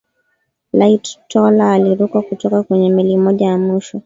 liightoller aliruka kutoka kwenye meli moja ya mwisho